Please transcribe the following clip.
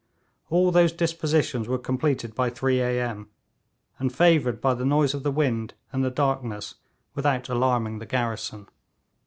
All those dispositions were completed by three A.M., and, favoured by the noise of the wind and the darkness, without alarming the garrison.